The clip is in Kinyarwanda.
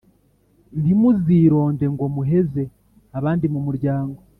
ntimuzironde ngo muheze abandi mu muryango;